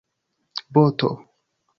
boto